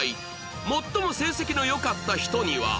最も成績の良かった人には